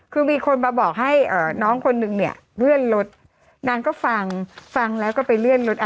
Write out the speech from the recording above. คือมีคนมาบอกให้น้องคนนึงเนี่ยเลื่อนรถนางก็ฟังฟังแล้วก็ไปเลื่อนรถอ่ะ